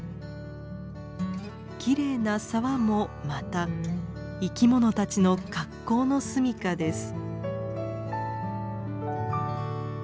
きれいな沢もまた生き物たちの格好のすみかです。